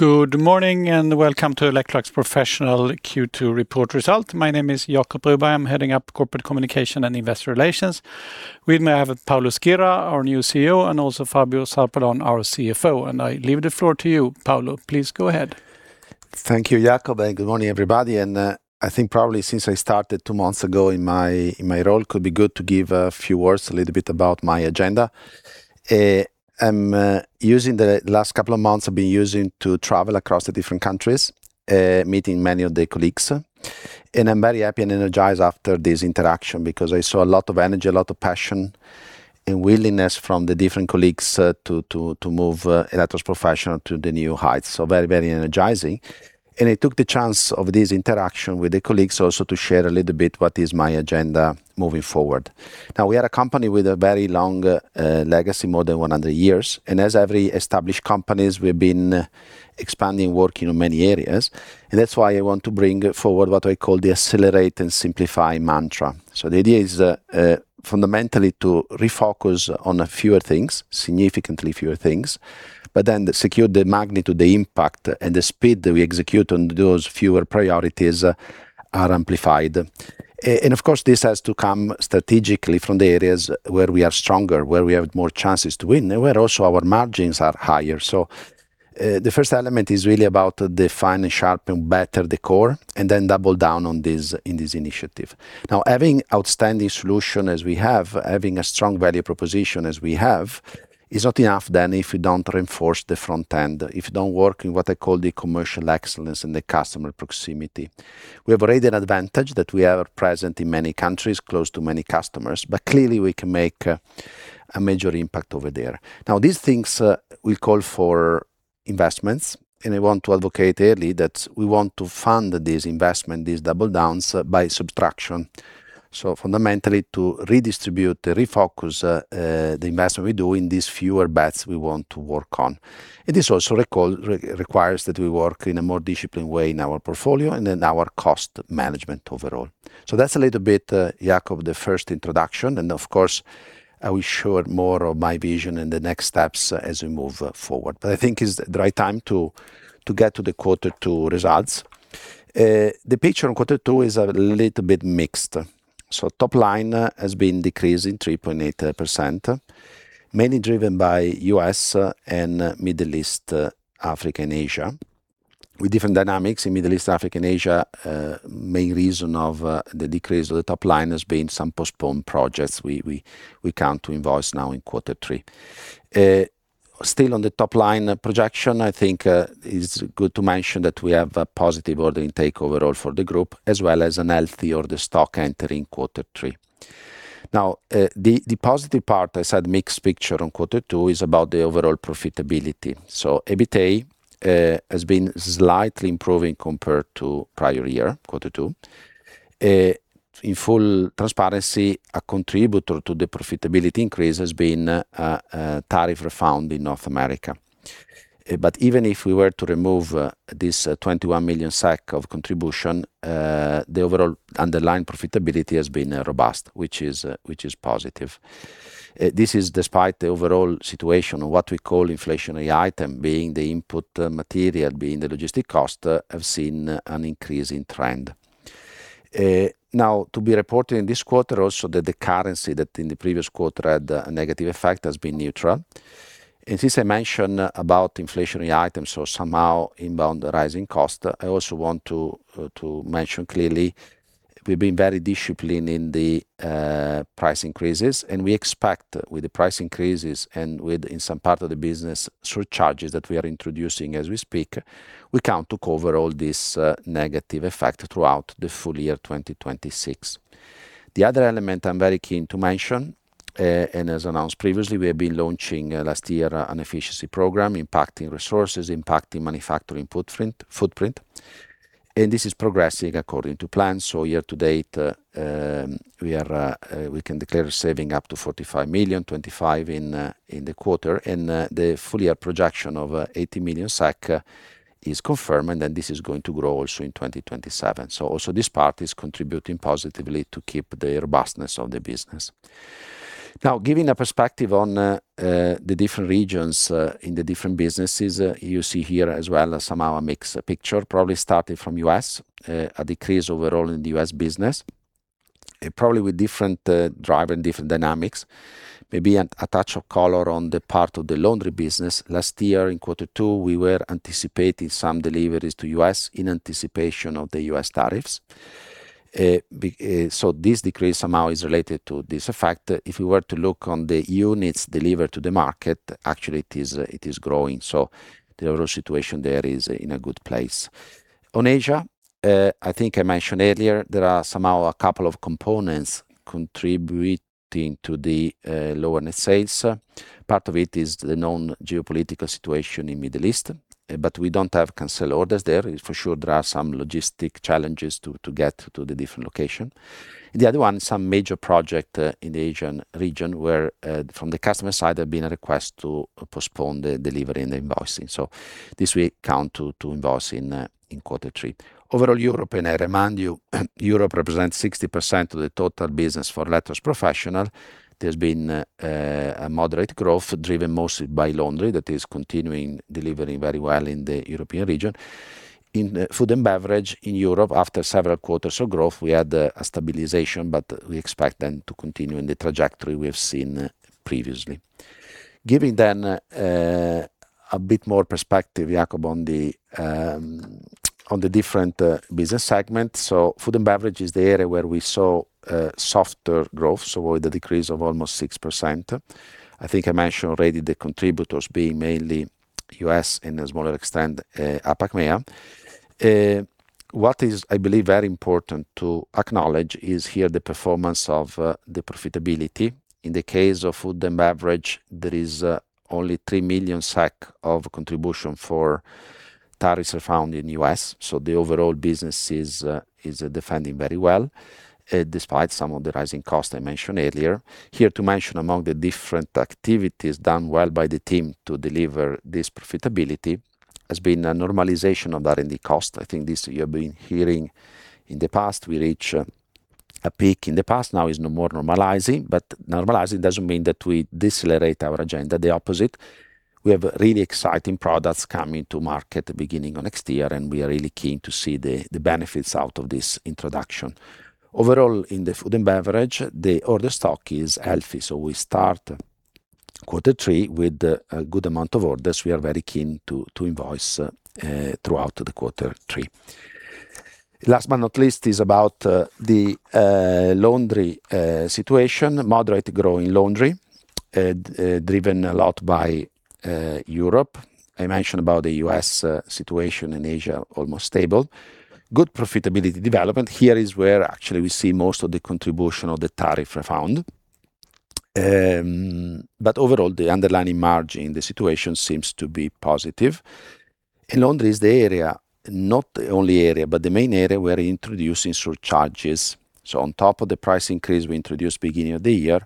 Good morning, welcome to Electrolux Professional Q2 report result. My name is Jacob Broberg. I'm heading up corporate communication and investor relations. With me, I have Paolo Schira, our new Chief Executive Officer, and also Fabio Zarpellon, our Chief Financial Officer. I leave the floor to you, Paolo. Please go ahead. Thank you, Jacob, good morning, everybody. I think probably since I started two months ago in my role, could be good to give a few words a little bit about my agenda. The last couple of months I've been using to travel across the different countries, meeting many of the colleagues. I'm very happy and energized after this interaction because I saw a lot of energy, a lot of passion, and willingness from the different colleagues to move Electrolux Professional to the new heights. Very energizing. I took the chance of this interaction with the colleagues also to share a little bit what is my agenda moving forward. Now, we are a company with a very long legacy, more than 100 years, as every established companies, we've been expanding work in many areas. That's why I want to bring forward what I call the accelerate and simplify mantra. The idea is fundamentally to refocus on a fewer things, significantly fewer things, but then secure the magnitude, the impact, and the speed that we execute on those fewer priorities are amplified. Of course, this has to come strategically from the areas where we are stronger, where we have more chances to win, and where also our margins are higher. The first element is really about define and sharpen better the core, double down in this initiative. Having outstanding solution as we have, having a strong value proposition as we have, is not enough then if we don't reinforce the front end, if you don't work in what I call the commercial excellence and the customer proximity. We have already an advantage that we are present in many countries, close to many customers, but clearly we can make a major impact over there. These things will call for investments, I want to advocate early that we want to fund this investment, these double downs, by subtraction. Fundamentally to redistribute, refocus the investment we do in these fewer bets we want to work on. It is also requires that we work in a more disciplined way in our portfolio and in our cost management overall. That's a little bit, Jacob, the first introduction, of course, I will share more of my vision and the next steps as we move forward. I think is the right time to get to the quarter two results. The picture on quarter two is a little bit mixed. Top line has been decreasing 3.8%, mainly driven by U.S. and Middle East, Africa, and Asia, with different dynamics. In Middle East, Africa, and Asia, main reason of the decrease of the top line has been some postponed projects we count to invoice now in quarter three. Still on the top line projection, I think it's good to mention that we have a positive ordering take overall for the group, as well as an healthy order stock entering quarter three. Now, the positive part, I said mixed picture on quarter two, is about the overall profitability. EBITDA has been slightly improving compared to prior year, quarter two. In full transparency, a contributor to the profitability increase has been tariff refund in North America. Even if we were to remove this 21 million of contribution, the overall underlying profitability has been robust, which is positive. This is despite the overall situation of what we call inflationary item, being the input material, being the logistic cost, have seen an increase in trend. Now, to be reported in this quarter also, that the currency that in the previous quarter had a negative effect, has been neutral. Since I mentioned about inflationary items or somehow inbound rising cost, I also want to mention clearly, we've been very disciplined in the price increases, and we expect with the price increases and with, in some part of the business, surcharges that we are introducing as we speak, we count to cover all this negative effect throughout the full year 2026. The other element I'm very keen to mention, as announced previously, we have been launching last year an efficiency program impacting resources, impacting manufacturing footprint, and this is progressing according to plan. Year to date, we can declare a saving up to 45 million, 25 million in the quarter, and the full year projection of 80 million is confirmed, this is going to grow also in 2027. Also this part is contributing positively to keep the robustness of the business. Now, giving a perspective on the different regions in the different businesses, you see here as well, somehow a mixed picture, probably starting from U.S., a decrease overall in the U.S. business, probably with different drive and different dynamics. Maybe a touch of color on the part of the Laundry business. Last year in quarter two, we were anticipating some deliveries to U.S. in anticipation of the U.S. tariffs. This decrease somehow is related to this effect. If we were to look on the units delivered to the market, actually it is growing. The overall situation there is in a good place. On Asia, I think I mentioned earlier, there are somehow a couple of components contributing to the lower net sales. Part of it is the known geopolitical situation in Middle East, we don't have canceled orders there. For sure, there are some logistic challenges to get to the different location. The other one, some major project in the Asian region where from the customer side, there had been a request to postpone the delivery and the invoicing. This will count to invoice in quarter three. Overall Europe, I remind you, Europe represents 60% of the total business for Electrolux Professional. There's been a moderate growth driven mostly by Laundry that is continuing delivering very well in the European region. In Food and Beverage in Europe, after several quarters of growth, we had a stabilization, but we expect them to continue in the trajectory we have seen previously. Giving a bit more perspective, Jacob, on the different business segments. Food and Beverage is the area where we saw softer growth, so with the decrease of almost 6%. I think I mentioned already the contributors being mainly U.S. and a smaller extent, APAC, MEA. What is, I believe, very important to acknowledge is here the performance of the profitability. In the case of Food and Beverage, there is only 3 million SEK of contribution for tariffs refund in U.S., so the overall business is defending very well, despite some of the rising costs I mentioned earlier. Here to mention among the different activities done well by the team to deliver this profitability has been a normalization of R&D cost. I think this you have been hearing in the past. We reach a peak in the past, now it's more normalizing. Normalizing doesn't mean that we decelerate our agenda. The opposite. We have really exciting products coming to market the beginning of next year, and we are really keen to see the benefits out of this introduction. Overall, in the Food and Beverage, the order stock is healthy, so we start quarter three with a good amount of orders. We are very keen to invoice throughout the quarter three. Last but not least, is about the Laundry situation, moderate growth in Laundry, driven a lot by Europe. I mentioned about the U.S. situation and Asia, almost stable. Good profitability development. Here is where actually we see most of the contribution of the tariff refund. Overall, the underlying margin, the situation seems to be positive. In Laundry is the area, not the only area, but the main area we're introducing surcharges. On top of the price increase we introduced beginning of the year,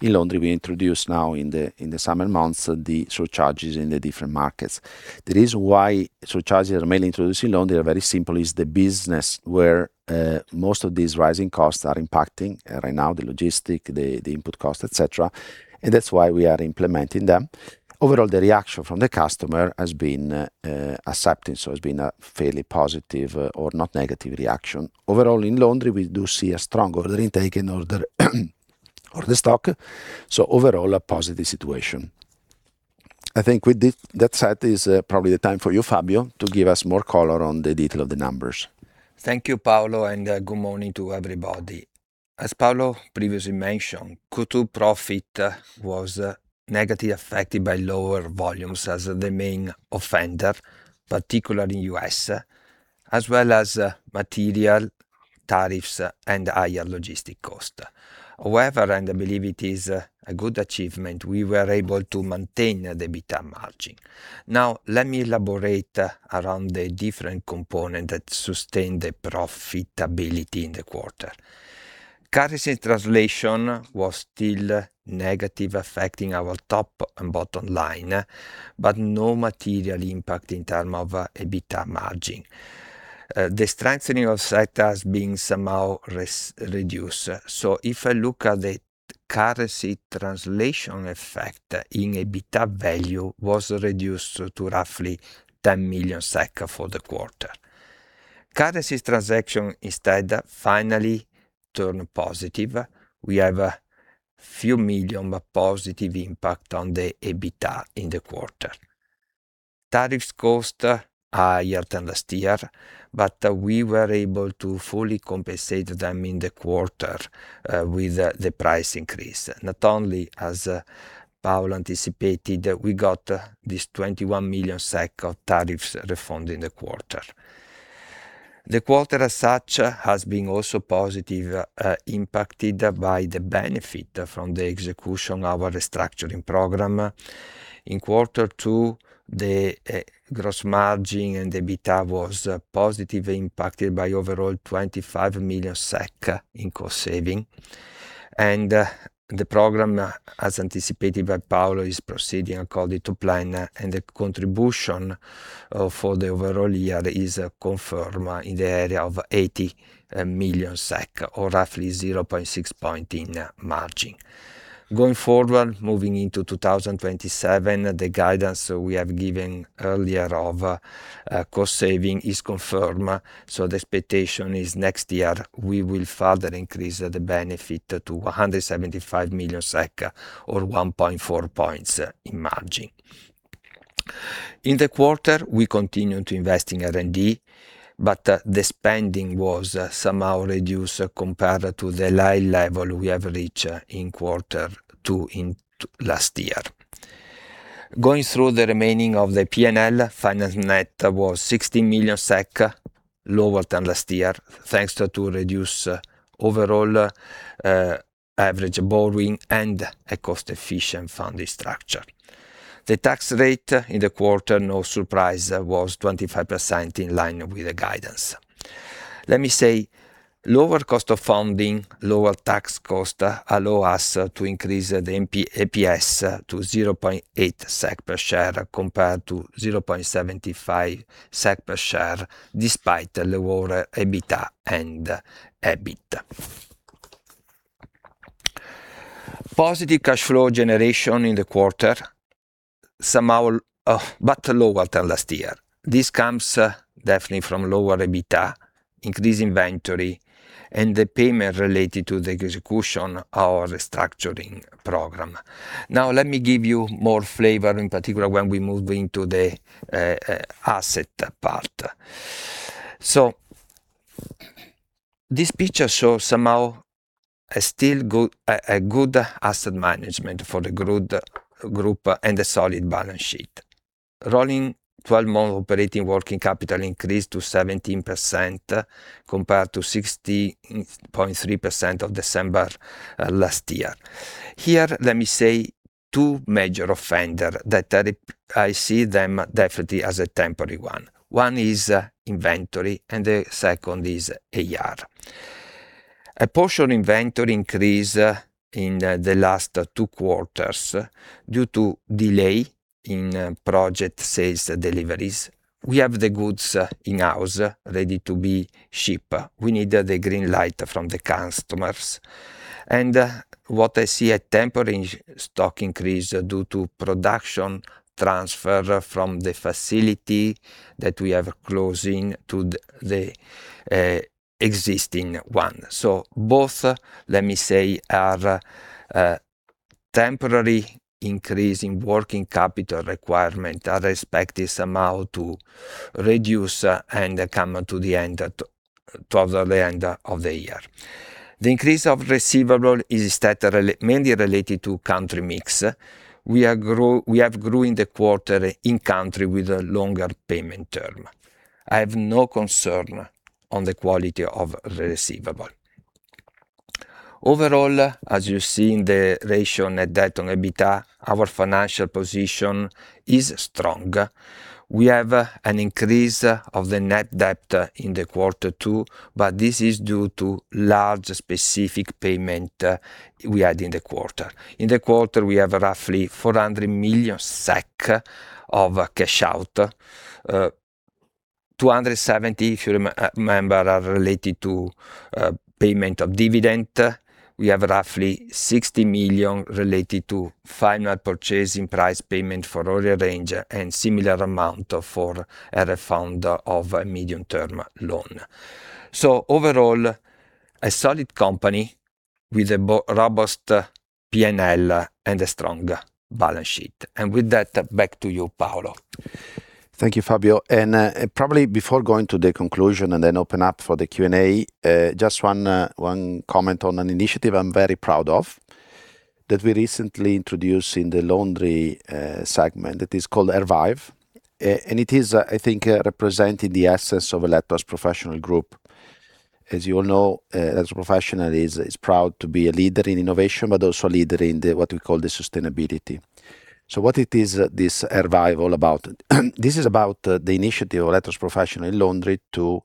in Laundry, we introduce now in the summer months, the surcharges in the different markets. The reason why surcharges are mainly introduced in Laundry are very simple, is the business where most of these rising costs are impacting right now, the logistic, the input cost, et cetera, and that's why we are implementing them. Overall, the reaction from the customer has been accepting, so it's been a fairly positive or not negative reaction. Overall in Laundry, we do see a strong order intake and order stock, so overall a positive situation. I think with that said, it is probably the time for you, Fabio, to give us more color on the detail of the numbers. Thank you, Paolo, and good morning to everybody. As Paolo previously mentioned, Q2 profit was negatively affected by lower volumes as the main offender, particularly U.S., as well as material tariffs and higher logistic cost. However, and I believe it is a good achievement, we were able to maintain the EBITDA margin. Now, let me elaborate around the different component that sustained the profitability in the quarter. Currency translation was still negative affecting our top and bottom line, but no material impact in term of EBITDA margin. The strengthening of SEK has been somehow reduced. If I look at the currency translation effect in EBITDA value was reduced to roughly 10 million SEK for the quarter. Currency transaction instead finally turned positive. We have a few million positive impact on the EBITDA in the quarter. Tariffs cost higher than last year. We were able to fully compensate them in the quarter with the price increase. Not only, as Paolo anticipated, we got this 21 million SEK of tariffs refund in the quarter. The quarter as such has been also positive, impacted by the benefit from the execution of our restructuring program. In quarter two, the gross margin and EBITDA was positively impacted by overall 25 million SEK in cost saving. The program, as anticipated by Paolo, is proceeding according to plan, and the contribution for the overall year is confirmed in the area of 80 million SEK or roughly 0.6 point in margin. Going forward, moving into 2027, the guidance we have given earlier of cost saving is confirmed. The expectation is next year we will further increase the benefit to 175 million SEK or 1.4 points in margin. In the quarter, we continued to invest in R&D. The spending was somehow reduced compared to the high level we have reached in quarter two in last year. Going through the remaining of the P&L, finance net was 16 million SEK, lower than last year, thanks to reduced overall average borrowing and a cost-efficient funding structure. The tax rate in the quarter, no surprise, was 25%, in line with the guidance. Let me say, lower cost of funding, lower tax cost allow us to increase the EPS to 0.8 SEK per share, compared to 0.75 SEK per share, despite lower EBITDA and EBITA. Positive cash flow generation in the quarter, lower than last year. This comes definitely from lower EBITDA, increased inventory, and the payment related to the execution of the restructuring program. Let me give you more flavor, in particular, when we move into the asset part. This picture shows somehow a good asset management for the group and a solid balance sheet. Rolling 12-month operating working capital increased to 17%, compared to 16.3% of December last year. Here, let me say two major offender that I see them definitely as a temporary one. One is inventory and the second is AR. A portion inventory increase in the last two quarters due to delay in project sales deliveries. We have the goods in-house ready to be ship. We need the green light from the customers. What I see, a temporary stock increase due to production transfer from the facility that we have closing to the existing one. Both, let me say, are temporary increase in working capital requirement. I expect this somehow to reduce and come towards the end of the year. The increase of receivable is mainly related to country mix. We have grew in the quarter in country with a longer payment term. I have no concern on the quality of receivable. Overall, as you see in the ratio net debt on EBITDA, our financial position is strong. We have an increase of the net debt in the quarter, too. This is due to large specific payment we had in the quarter. In the quarter, we have roughly 400 million SEK of cash out. 270 million, if you remember, are related to payment of dividend. We have roughly 60 million related to final purchasing price payment for Royal Range and similar amount for a refund of a Medium-Term Note. Overall, a solid company with a robust P&L and a strong balance sheet. Back to you, Paolo. Thank you, Fabio. Probably before going to the conclusion and then open up for the Q&A, just one comment on an initiative I am very proud of, that we recently introduced in the Laundry segment that is called R+vive. It is, I think, representing the assets of Electrolux Professional group. As you all know, Electrolux Professional is proud to be a leader in innovation, but also a leader in what we call the sustainability. What it is this R+vive all about? This is about the initiative of Electrolux Professional Laundry to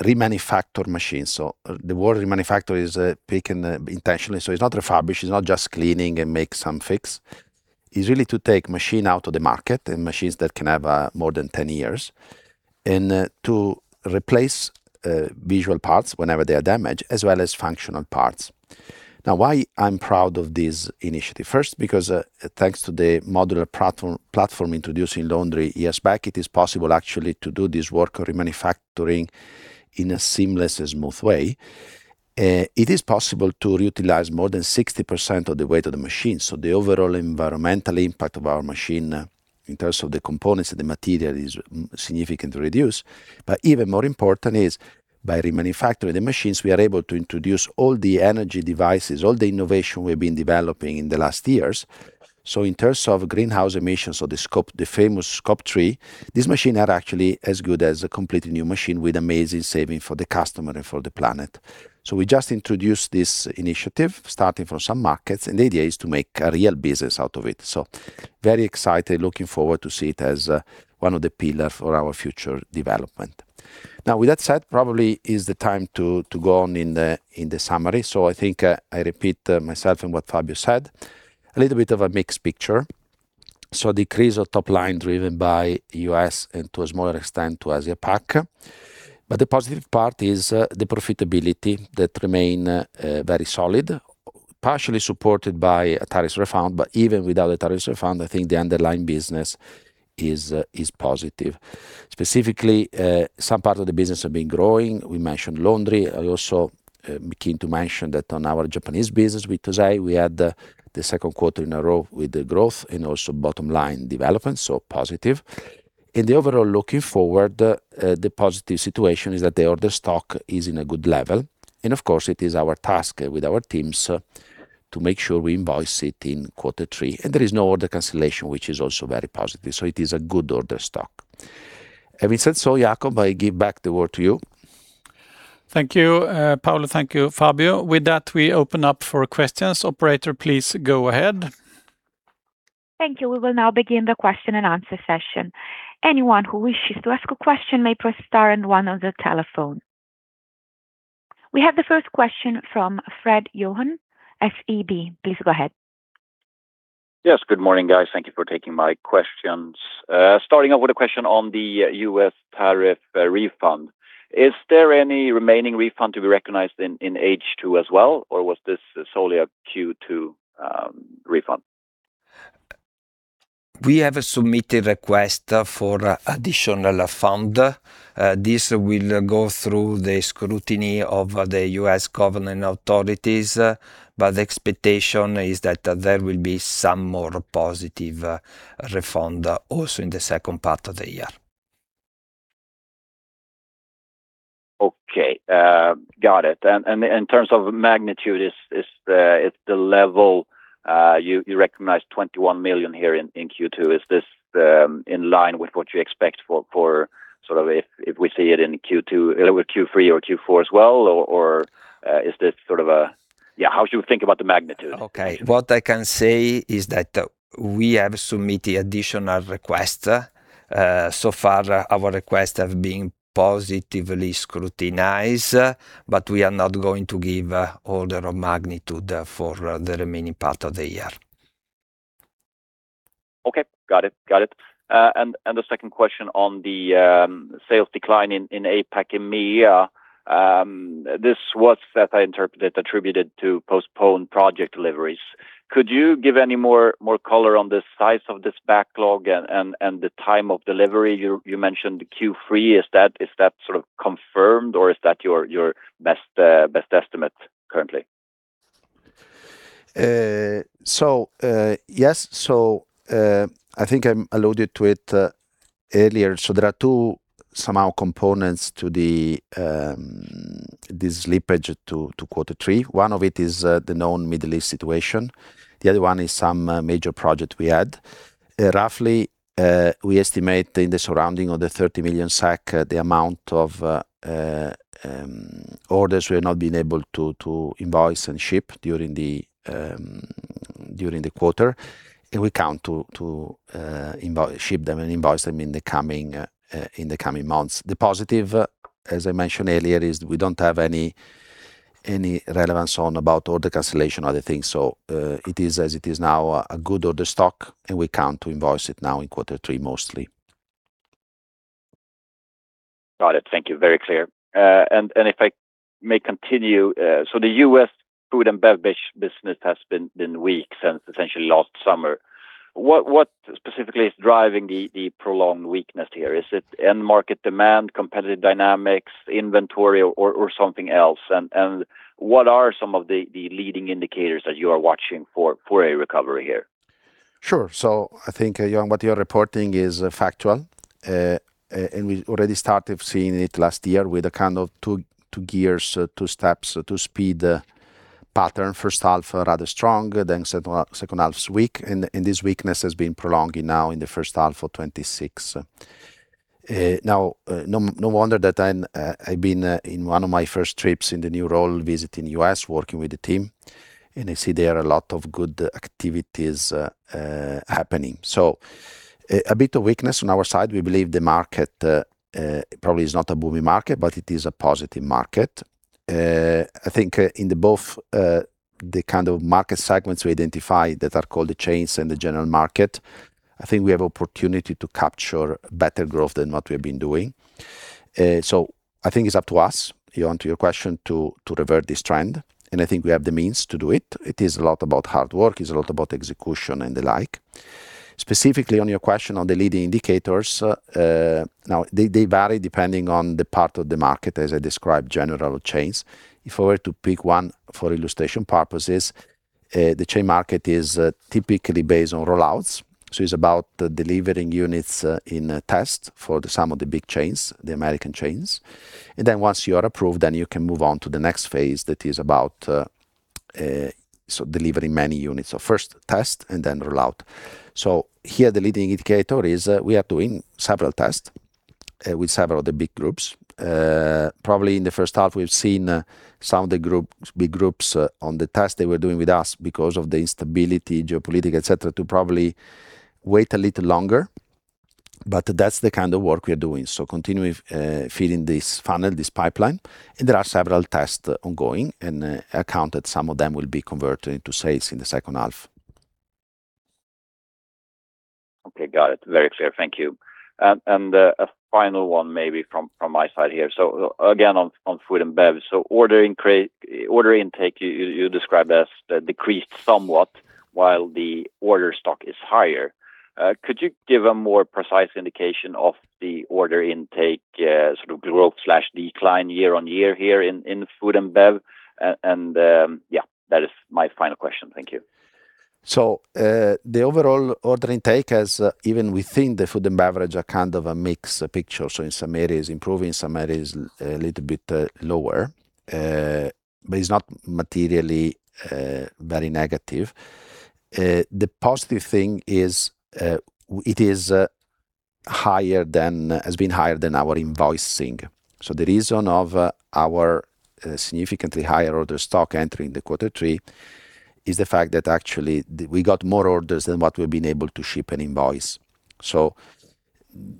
remanufacture machines. The word remanufacture is picked intentionally. It is not refurbish, it is not just cleaning and make some fix. It is really to take machine out of the market and machines that can have more than 10 years, and to replace visual parts whenever they are damaged, as well as functional parts. Why I am proud of this initiative. First, because thanks to the modular platform introduced in Laundry years back, it is possible actually to do this work remanufacturing in a seamless and smooth way. It is possible to reutilize more than 60% of the weight of the machine. The overall environmental impact of our machine in terms of the components and the material is significantly reduced. Even more important is, by remanufacturing the machines, we are able to introduce all the energy devices, all the innovation we have been developing in the last years. In terms of greenhouse emissions or the famous Scope 3, this machine are actually as good as a completely new machine with amazing saving for the customer and for the planet. We just introduced this initiative starting from some markets, and the idea is to make a real business out of it. Very excited, looking forward to see it as one of the pillar for our future development. With that said, probably is the time to go on in the summary. I think I repeat myself and what Fabio said, a little bit of a mixed picture. Decrease of top line driven by U.S. and to a smaller extent to Asia PAC. The positive part is the profitability that remain very solid, partially supported by a tariffs refund. Even without the tariffs refund, I think the underlying business is positive. Specifically, some part of the business have been growing. We mentioned Laundry. I also am keen to mention that on our Japanese business with TOSEI, we had the second quarter in a row with the growth and also bottom line development, positive. In the overall looking forward, the positive situation is that the order stock is in a good level. Of course, it is our task with our teams to make sure we invoice it in quarter three. There is no order cancellation, which is also very positive. It is a good order stock. Having said so, Jacob, I give back the word to you. Thank you, Paolo. Thank you, Fabio. With that, we open up for questions. Operator, please go ahead. Thank you. We will now begin the question and answer session. Anyone who wishes to ask a question may press star and one on the telephone. We have the first question from Johan Fred, SEB. Please go ahead. Yes, good morning, guys. Thank you for taking my questions. Starting off with a question on the U.S. tariff refund. Is there any remaining refund to be recognized in H2 as well, or was this solely a Q2 refund? We have submitted a request for additional fund. This will go through the scrutiny of the U.S. governing authorities. The expectation is that there will be some more positive refund also in the second part of the year. Okay. Got it. In terms of magnitude, is the level you recognize 21 million here in Q2, is this in line with what you expect for if we see it in Q2 with Q3 or Q4 as well? How should we think about the magnitude? Okay. What I can say is that we have submitted additional requests. So far our requests have been positively scrutinized. We are not going to give order of magnitude for the remaining part of the year. Okay, got it. The second question on the sales decline in APAC and MEA, this was, as I interpreted, attributed to postponed project deliveries. Could you give any more color on the size of this backlog and the time of delivery? You mentioned Q3. Is that confirmed? Is that your best estimate currently? Yes. I think I alluded to it earlier. There are two components to this slippage to quarter three. One of it is the known Middle East situation. The other one is some major project we had. Roughly, we estimate in the surrounding of 30 million, the amount of orders we have not been able to invoice and ship during the quarter, and we count to ship them and invoice them in the coming months. The positive, as I mentioned earlier, is we don't have any relevance on about order cancellation or other things. It is as it is now, a good order stock, and we count to invoice it now in quarter three mostly. Got it. Thank you. Very clear. If I may continue, the U.S. Food & Beverage business has been weak since essentially last summer. What specifically is driving the prolonged weakness here? Is it end-market demand, competitive dynamics, inventory, or something else? What are some of the leading indicators that you are watching for a recovery here? Sure. I think, Johan, what you're reporting is factual. We already started seeing it last year with a kind of two-gears, two-steps, two-speed pattern. First half rather strong. Then second half is weak. This weakness has been prolonging now in the first half of 2026. No wonder that I've been in one of my first trips in the new role visiting the U.S., working with the team. I see there are a lot of good activities happening. A bit of weakness on our side. We believe the market probably is not a booming market, but it is a positive market. I think in both the kind of market segments we identify that are called the chains and the general market, I think we have opportunity to capture better growth than what we've been doing. I think it's up to us, Johan, to your question to revert this trend. I think we have the means to do it. It is a lot about hard work, it's a lot about execution and the like. Specifically on your question on the leading indicators, they vary depending on the part of the market, as I described, general chains. If I were to pick one for illustration purposes, the chain market is typically based on rollouts. It's about delivering units in a test for some of the big chains, the American chains. Once you are approved, then you can move on to the next phase that is about delivering many units. First test, and then rollout. Here the leading indicator is we are doing several tests with several of the big groups. Probably in the first half, we've seen some of the big groups on the test they were doing with us because of the instability, geopolitical, et cetera, to probably wait a little longer. That's the kind of work we are doing. Continuing feeding this funnel, this pipeline, and there are several tests ongoing and accounted some of them will be converted into sales in the second half. Okay, got it. Very clear. Thank you. A final one maybe from my side here. Again, on Food and Beverage. Order intake, you described as decreased somewhat while the order stock is higher. Could you give a more precise indication of the order intake, sort of growth/decline year-over-year here in Food and Beverage? Yeah, that is my final question. Thank you. The overall order intake has, even within the Food and Beverage, a kind of a mixed picture. In some areas improving, some areas a little bit lower, but it's not materially very negative. The positive thing is it has been higher than our invoicing. The reason of our significantly higher order stock entering the quarter three is the fact that actually we got more orders than what we've been able to ship and invoice.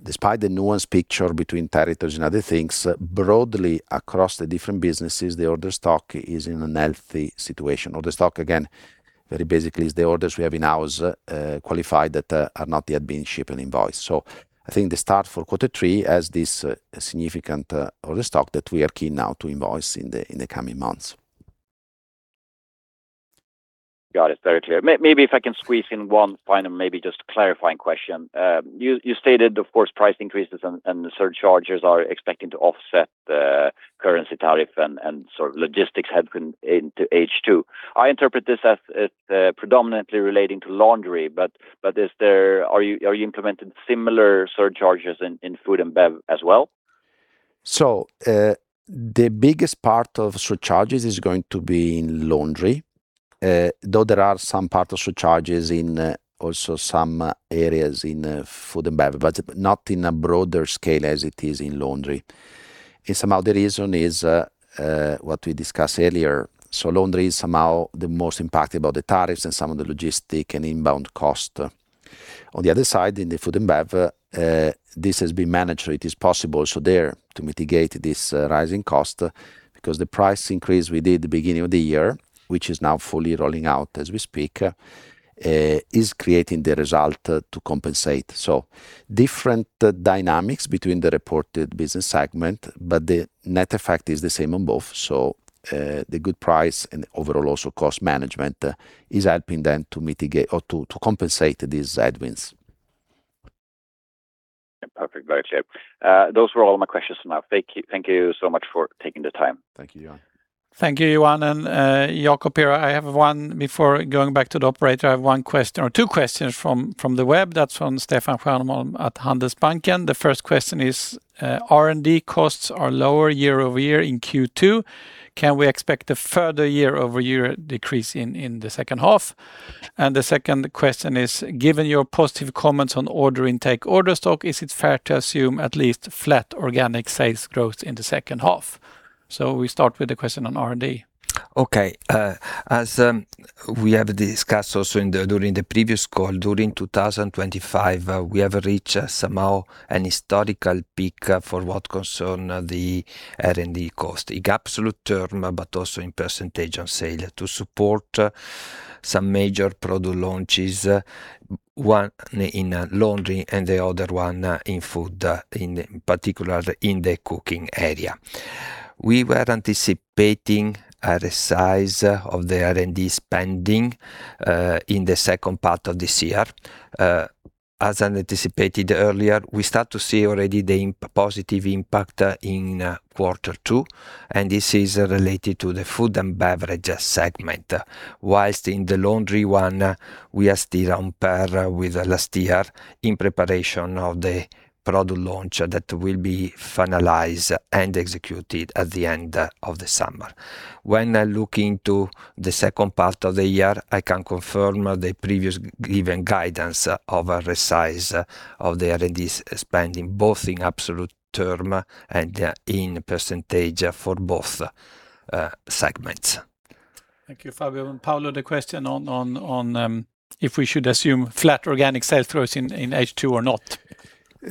Despite the nuanced picture between territories and other things, broadly across the different businesses, the order stock is in a healthy situation. Order stock, again, very basically is the orders we have in-house qualified that have not yet been shipped and invoiced. I think the start for quarter three has this significant order stock that we are keen now to invoice in the coming months. Got it. Very clear. Maybe if I can squeeze in one final clarifying question. You stated, of course, price increases and the surcharges are expecting to offset currency tariff and logistics headwind into H2. I interpret this as predominantly relating to Laundry, but are you implementing similar surcharges in Food and Beverage as well? The biggest part of surcharges is going to be in Laundry, though there are some part of surcharges in also some areas in Food and Beverage, but not in a broader scale as it is in Laundry. Somehow the reason is what we discussed earlier. Laundry is somehow the most impacted by the tariffs and some of the logistic and inbound cost. On the other side, in the Food and Beverage, this has been managed, it is possible so there to mitigate this rising cost, because the price increase we did at the beginning of the year, which is now fully rolling out as we speak, is creating the result to compensate. Different dynamics between the reported business segment, but the net effect is the same on both. The good price and overall also cost management is helping then to mitigate or to compensate these headwinds. Perfect. Very clear. Those were all my questions for now. Thank you so much for taking the time. Thank you, Johan. Thank you, Johan. I have one before going back to the operator. I have one question or two questions from the web. That is from Stefan Stjernholm at Handelsbanken. The first question is: R&D costs are lower year-over-year in Q2. Can we expect a further year-over-year decrease in the second half? The second question is: Given your positive comments on order intake, order stock, is it fair to assume at least flat organic sales growth in the second half? We start with the question on R&D. Okay. As we have discussed also during the previous call, during 2025, we have reached somehow an historical peak for what concern the R&D cost in absolute term, but also in percentage on sale to support some major product launches, one in Laundry and the other one in Food, in particular in the cooking area. We were anticipating a resize of the R&D spending in the second part of this year. As anticipated earlier, we start to see already the positive impact in Q2, and this is related to the Food and Beverage segment, whilst in the Laundry one, we are still on par with last year in preparation of the product launch that will be finalized and executed at the end of the summer. When I look into the second part of the year, I can confirm the previous given guidance of a resize of the R&D spending, both in absolute term and in percentage for both segments. Thank you, Fabio. Paolo, the question on if we should assume flat organic sales growth in H2 or not.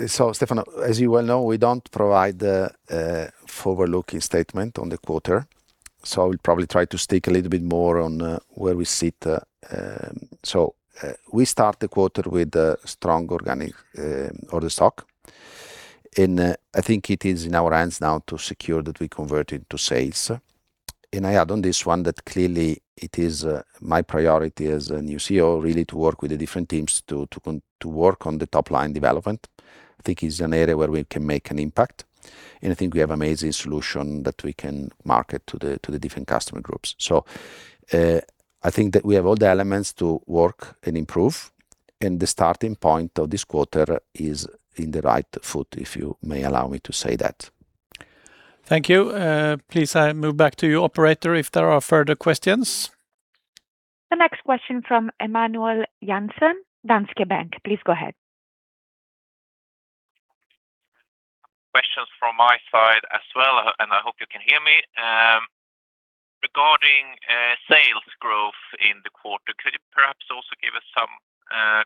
Stefan, as you well know, we don't provide a forward-looking statement on the quarter, so I will probably try to stick a little bit more on where we sit. We start the quarter with a strong organic order stock. I think it is in our hands now to secure that we convert into sales. I add on this one that clearly it is my priority as a new Chief Executive Officer really to work with the different teams to work on the top-line development. I think it's an area where we can make an impact. I think we have amazing solution that we can market to the different customer groups. I think that we have all the elements to work and improve. The starting point of this quarter is in the right foot, if you may allow me to say that. Thank you. Please, I move back to you, operator, if there are further questions. The next question from Emanuel Jansson, Danske Bank. Please go ahead. Questions from my side as well. I hope you can hear me. Regarding sales growth in the quarter, could you perhaps also give us some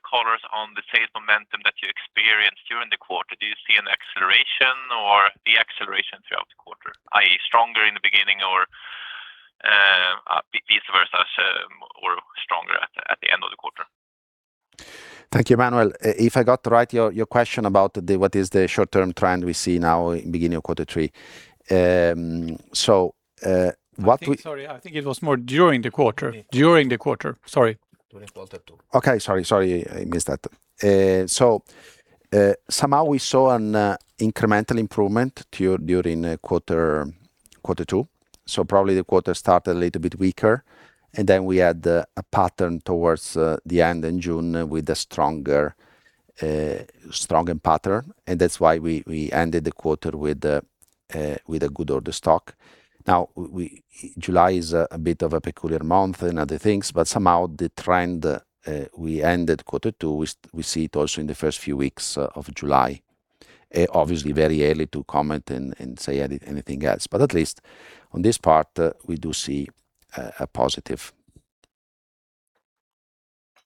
colors on the sales momentum that you experienced during the quarter? Do you see an acceleration or deacceleration throughout the quarter, i.e., stronger in the beginning or vice versa, or stronger at the end of the quarter? Thank you, Emanuel. If I got right, your question about what is the short-term trend we see now in beginning of quarter three. What we I think, sorry, I think it was more during the quarter. During the quarter, sorry. During quarter two. Okay. Sorry, I missed that. Somehow we saw an incremental improvement during quarter two. Probably the quarter started a little bit weaker, and then we had a pattern towards the end in June with a stronger pattern, and that's why we ended the quarter with a good order stock. July is a bit of a peculiar month and other things, somehow the trend we ended quarter two, we see it also in the first few weeks of July. Very early to comment and say anything else. At least on this part, we do see a positive.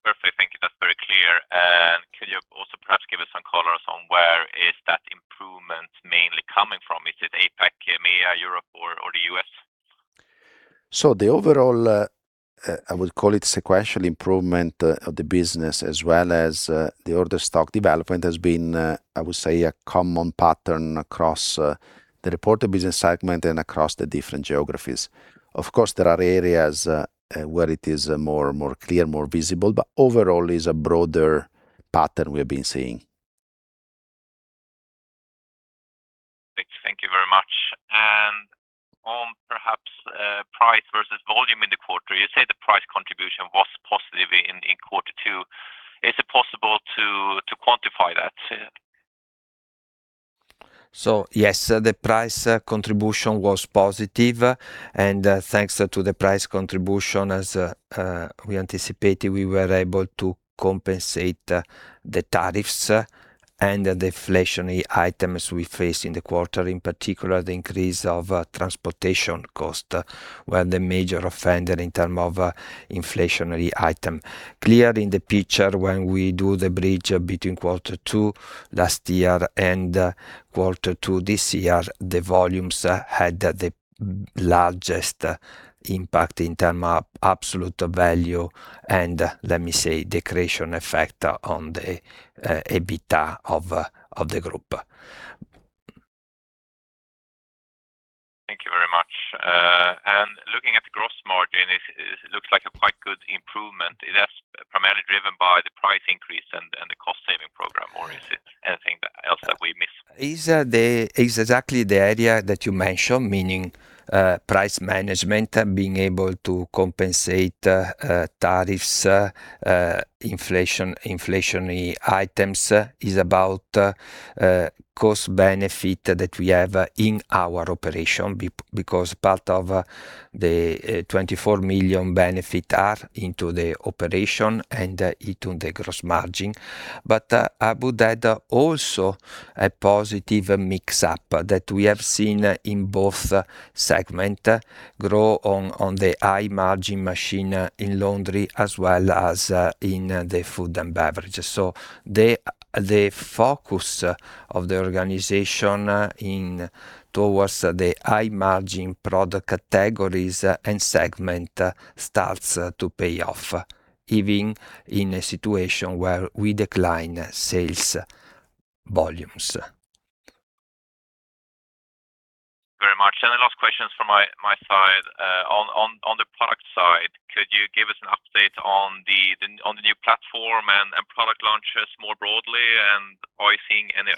Perfect. Thank you. That's very clear. Can you also perhaps give us some colors on where is that improvement mainly coming from? Is it APAC, EMEA, Europe or the U.S.? The overall, I would call it sequential improvement of the business as well as the order stock development has been, I would say, a common pattern across the reported business segment and across the different geographies. Of course, there are areas where it is more clear, more visible, but overall is a broader pattern we have been seeing. Thank you very much. On perhaps price versus volume in the quarter, you say the price contribution was positive in quarter two. Is it possible to quantify that? Yes, the price contribution was positive, and thanks to the price contribution as we anticipated, we were able to compensate the tariffs and the inflationary items we faced in the quarter. In particular, the increase of transportation cost were the major offender in term of inflationary item. Clear in the picture when we do the bridge between quarter two last year and quarter two this year, the volumes had the largest impact in term of absolute value and let me say, the creation effect on the EBITDA of the group. Thank you very much. Looking at the gross margin, it looks like a quite good improvement. It is primarily driven by the price increase and the cost-saving program, or is it anything else that we missed? It's exactly the area that you mentioned, meaning price management, being able to compensate tariffs, inflationary items is about cost benefit that we have in our operation because part of the 24 million benefit are into the operation and into the gross margin. I would add also a positive mix-up that we have seen in both segment grow on the high margin machine in Laundry as well as in the Food and Beverage. The focus of the organization towards the high margin product categories and segment starts to pay off, even in a situation where we decline sales volumes. Thank you very much. The last question from my side. On the product side, could you give us an update on the new platform and product launches more broadly, and are you seeing any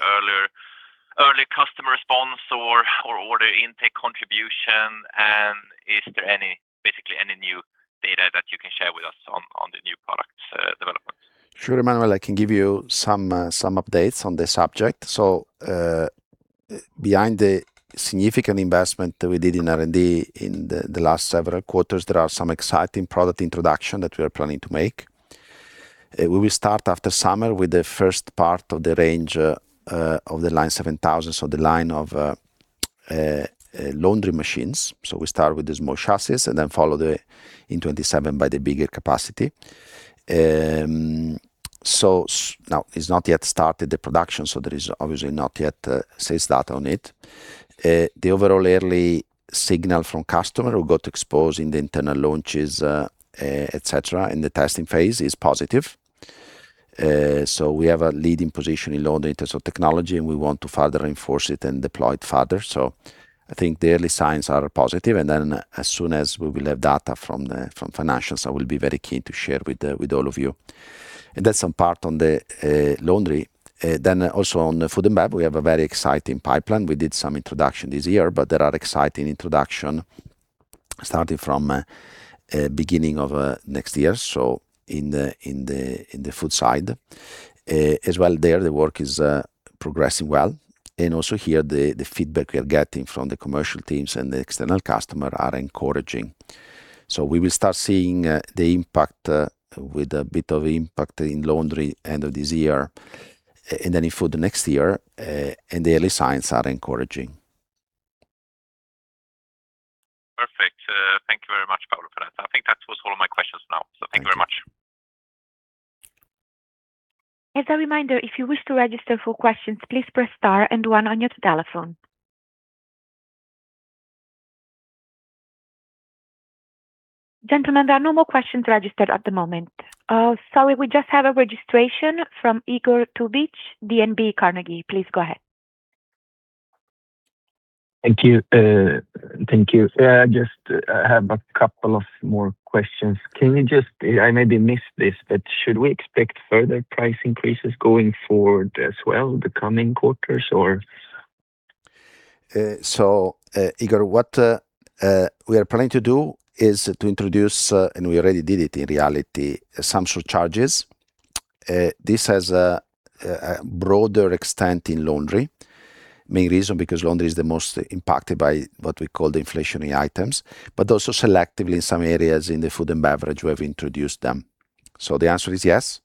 early customer response or order intake contribution, and is there basically any new data that you can share with us on the new product development? Sure, Emanuel, I can give you some updates on the subject. Behind the significant investment that we did in R&D in the last several quarters, there are some exciting product introduction that we are planning to make. We will start after summer with the first part of the range of the Line 6000, so the line of Laundry machines. We start with the small chassis and then follow in 2027 by the bigger capacity. It's not yet started the production, so there is obviously not yet sales data on it. The overall early signal from customer who got exposed in the internal launches, et cetera, in the testing phase is positive. We have a leading position in Laundry in terms of technology, and we want to further enforce it and deploy it further. I think the early signs are positive, and then as soon as we will have data from financials, I will be very keen to share with all of you. That's some part on the Laundry. Also on the Food and Beverage, we have a very exciting pipeline. We did some introduction this year, but there are exciting introduction starting from beginning of next year. In the Food side. As well there, the work is progressing well and also here, the feedback we are getting from the commercial teams and the external customer are encouraging. We will start seeing the impact with a bit of impact in Laundry end of this year and then in Food next year, and the early signs are encouraging. Perfect. Thank you very much, Paolo, for that. I think that was all my questions now. Thank you very much. As a reminder, if you wish to register for questions, please press star and one on your telephone. Gentlemen, there are no more questions registered at the moment. Sorry, we just have a registration from Igor Tubic, DNB Carnegie. Please go ahead. Thank you. I just have a couple of more questions. I maybe missed this, should we expect further price increases going forward as well the coming quarters or? Igor, what we are planning to do is to introduce, and we already did it in reality, some surcharges. This has a broader extent in Laundry. Main reason, because Laundry is the most impacted by what we call the inflationary items, but also selectively in some areas in the Food and Beverage, we have introduced them. The answer is yes,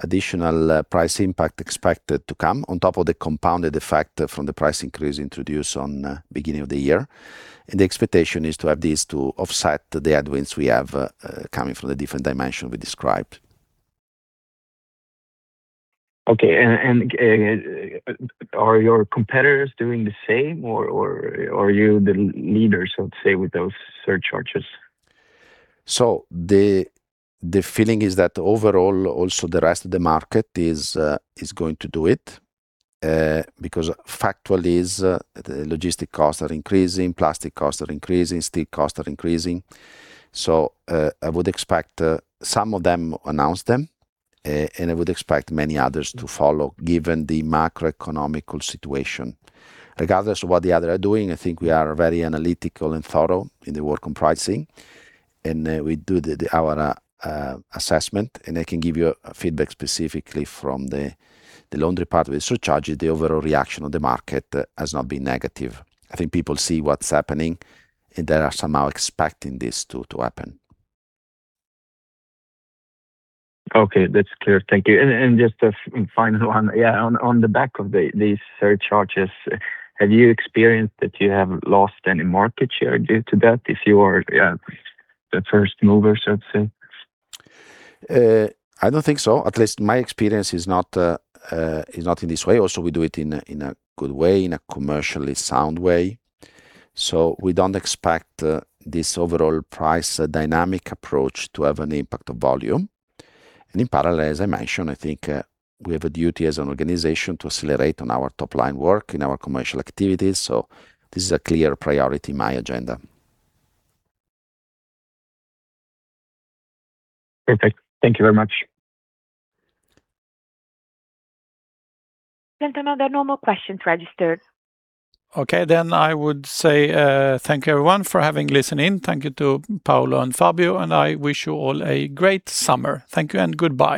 additional price impact expected to come on top of the compounded effect from the price increase introduced on beginning of the year. The expectation is to have these to offset the headwinds we have coming from the different dimension we described. Okay. Are your competitors doing the same, or are you the leaders, I would say, with those surcharges? The feeling is that overall, also the rest of the market is going to do it, because factually is the logistic costs are increasing, plastic costs are increasing, steel costs are increasing. I would expect some of them announce them, and I would expect many others to follow given the macroeconomic situation. Regardless of what the other are doing, I think we are very analytical and thorough in the work on pricing, and we do our assessment, and I can give you feedback specifically from the Laundry part with surcharges, the overall reaction of the market has not been negative. I think people see what's happening, and they are somehow expecting this to happen. Okay. That's clear. Thank you. Just a final one. On the back of these surcharges, have you experienced that you have lost any market share due to that if you are the first mover, so to say? I don't think so. At least my experience is not in this way. Also, we do it in a good way, in a commercially sound way. We don't expect this overall price dynamic approach to have an impact of volume. In parallel, as I mentioned, I think we have a duty as an organization to accelerate on our top-line work in our commercial activities. This is a clear priority in my agenda. Perfect. Thank you very much. There's another normal questions registered. I would say thank you everyone for having listened in. Thank you to Paolo and Fabio. I wish you all a great summer. Thank you and goodbye.